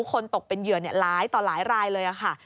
ตกเป็นเหยื่อหลายต่อหลายรายเลยค่ะ